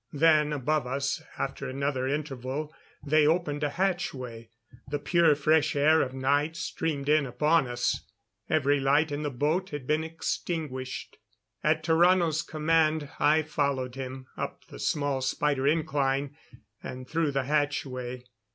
Then above us after another interval, they opened a hatchway. The pure fresh air of night streamed in upon us. Every light in the boat had been extinguished. At Tarrano's command I followed him up the small spider incline and through the hatchway.